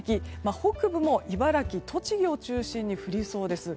北部も茨城、栃木を中心に降りそうです。